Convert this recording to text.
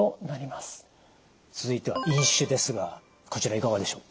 続いては飲酒ですがこちらいかがでしょう？